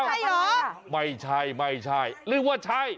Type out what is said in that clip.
ใช่เหรอไม่ใช่ไม่ใช่หรือว่าใช่